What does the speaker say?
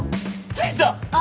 着いた！